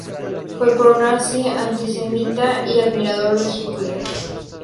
Fue pro nazi, antisemita y admirador de Hitler.